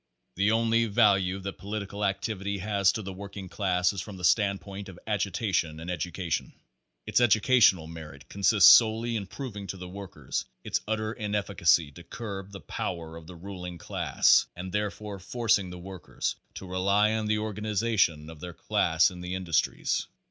The only value that political activity has to the working class is from the standpoint of agitation and education. Its educational merit consists solely in proving to the workers its utter inefficacy to curb the power of the ruling class and therefore forcing the workers to rely on the organization of their class in the industries.